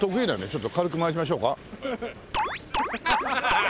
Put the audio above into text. ちょっと軽く回しましょうか？